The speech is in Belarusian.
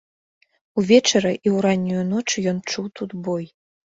Увечары і ў раннюю ноч ён чуў тут бой.